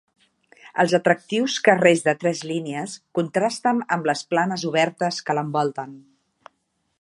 El atractius carrers de tres línies contrasten amb les planes obertes que l'envolten.